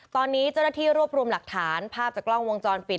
ตอนนี้เจ้าหน้าที่รวบรวมหลักฐานภาพจากกล้องวงจรปิด